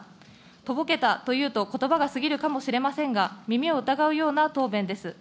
とぼけたというとことばが過ぎるかもしれませんが、耳を疑うような答弁です。